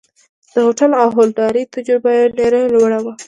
د هوټل او هوټلدارۍ تجربه یې ډېره لوړه وه.